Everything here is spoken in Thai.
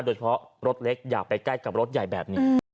รถเล็กอย่าไปใกล้กับรถใหญ่แบบนี้